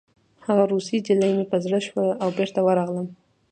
هغه روسۍ نجلۍ مې په زړه شوه او بېرته ورغلم